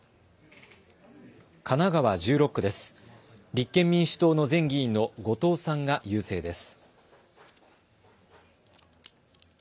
立憲民主党の前議員の後藤さんが優勢です。